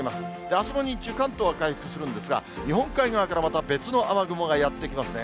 あすの日中、関東は回復するんですが、日本海側からまた別の雨雲がやって来ますね。